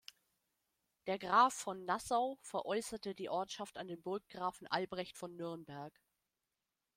Der Graf von Nassau veräußerte die Ortschaft an den Burggrafen Albrecht von Nürnberg.